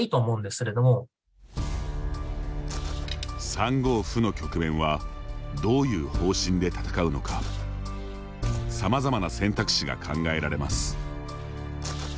３五歩の局面はどういう方針で戦うのかさまざまな選択肢が考えられます。